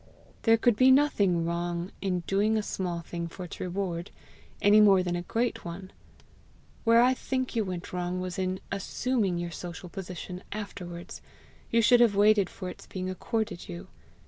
"There could be nothing wrong in doing a small thing for its reward any more than a great one; where I think you went wrong was in ASSUMING your social position afterwards: you should have waited for its being accorded you.